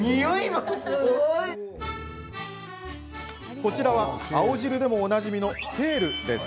こちらは青汁でもおなじみのケール。